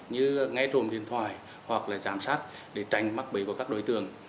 như nghe trồn điện thoại hoặc là giám sát để tránh mắc bấy của các đối tượng